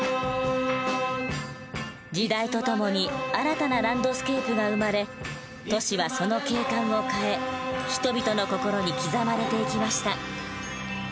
時代と共に新たなランドスケープが生まれ都市はその景観を変え人々の心に刻まれていきました。